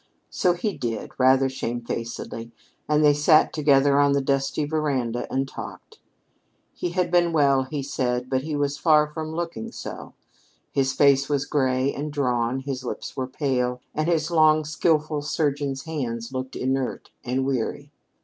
So he did, rather shamefacedly, and they sat together on the dusty veranda and talked. He had been well, he said, but he was far from looking so. His face was gray and drawn, his lips were pale, and his long skillful surgeon's hands looked inert and weary.